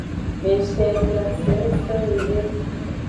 Eshie ja sengsengde.